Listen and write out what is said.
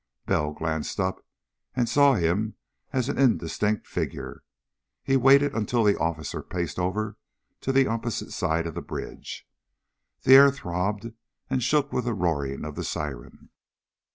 Bell glanced up and saw him as an indistinct figure. He waited until the officer paced over to the opposite side of the bridge. The air throbbed and shook with the roaring of the siren.